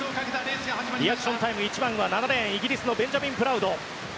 リアクションタイム１番は７レーン、イギリスのベンジャミン・プラウド。